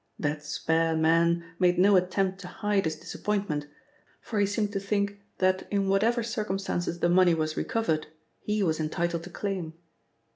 That spare man made no attempt to hide his disappointment, for he seemed to think that in whatever circumstances the money was recovered, he was entitled to claim.